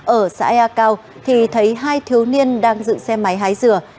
ở xã ya cao thì thấy hai thiếu niên đang dựng xe máy hái dừa